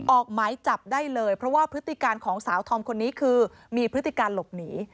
ออกหมายจับได้เลยเพราะว่าพฤติการของสาวธอมคนนี้คือมีพฤติการหลบหนี